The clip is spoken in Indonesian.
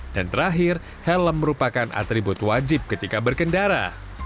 dan terakhir helm merupakan atribut wajib ketika berkendara